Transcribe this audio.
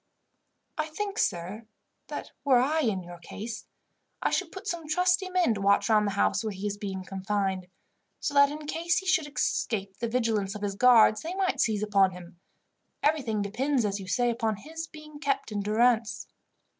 "I think, sir, that were I in your case, I should put some trusty men to watch round the house where he is confined; so that in case he should escape the vigilance of his guards they might seize upon him. Everything depends, as you say, upon his being kept in durance."